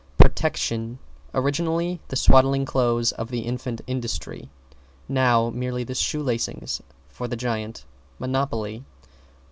=PROTECTION= Originally, the swaddling clothes of the infant, Industry; now, merely the shoe lacings for the giant, Monopoly.